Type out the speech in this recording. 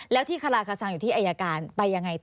แล้วที่คาราคาซังอยู่ที่อายการไปยังไงต่อ